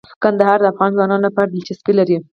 کندهار د افغان ځوانانو لپاره دلچسپي لري.